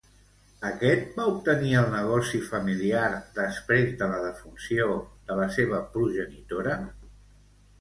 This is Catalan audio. Aquest va obtenir el negoci familiar després de la defunció de la seva progenitora?